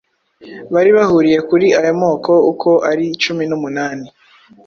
bari bahuriye kuri ayo moko uko ari cumi numunani.